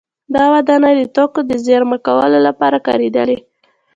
دا ودانۍ د توکو د زېرمه کولو لپاره کارېدلې